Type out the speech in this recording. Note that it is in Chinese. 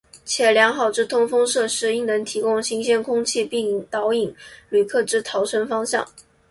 且良好之通风设施应能提供新鲜空气并导引旅客之逃生方向。